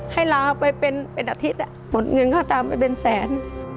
ให้ลาไปเป็นอาทิตย์หมดเงินเข้าตามไปเป็นแสน